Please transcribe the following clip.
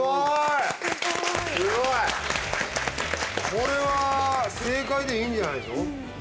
これは正解でいいんじゃないの？